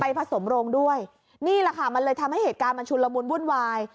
ผสมโรงด้วยนี่แหละค่ะมันเลยทำให้เหตุการณ์มันชุนละมุนวุ่นวาย